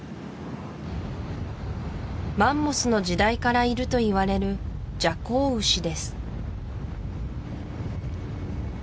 マンモスの時代からいるといわれるジャコウウシです